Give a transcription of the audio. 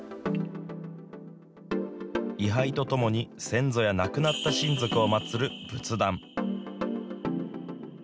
位はいと共に、先祖や亡くなった親族を祭る仏壇。